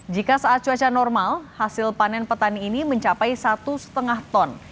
jika saat cuaca normal hasil panen petani ini mencapai satu lima ton